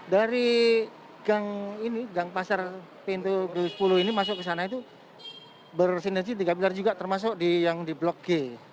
dari gang ini gang pasar pintu sepuluh ini masuk ke sana itu bersinergi tiga pilar juga termasuk yang di blok g